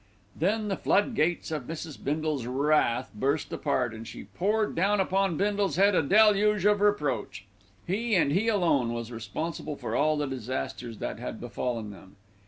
Then the flood gates of Mrs. Bindle's wrath burst apart, and she poured down upon Bindle's head a deluge of reproach. He and he alone was responsible for all the disasters that had befallen them.